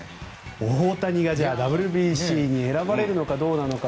大谷がＷＢＣに選ばれるかどうなのか。